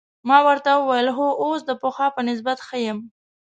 ما ورته وویل: هو، اوس د پخوا په نسبت ښه یم.